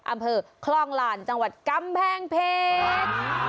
อำเภอคลองหลานจังหวัดกำแพงเพชร